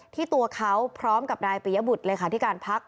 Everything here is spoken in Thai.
ที่ตัวเขาพร้อมกับนายปี่ยะบุฎเลขาที่การพัก